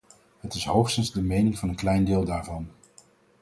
Het is hoogstens de mening van een klein deel daarvan!